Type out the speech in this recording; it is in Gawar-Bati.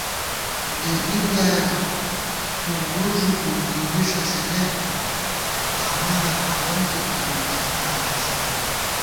بلېدی بلیایَہ تُور بوُر ݫُوپی نِنگِݭہ سِلېخ تھنہ * آمانہ کھاوئیکے پت بی دفتَرہ ماسِل تھنہ